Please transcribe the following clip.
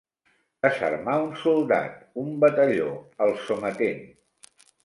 Desarmar un soldat, un batalló, el sometent.